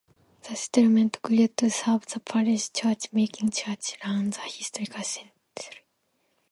The settlement grew to serve the parish church making Church Lane the historic centre.